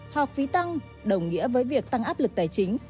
học phí tăng đồng nghĩa với việc tăng áp lực tài chính